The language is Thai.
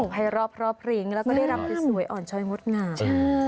ไปรอบริงแล้วก็ได้รับความสวยอ่อนช่อยมดหนาว